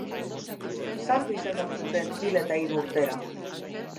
Santu izendatu zuten hil eta hiru urtera.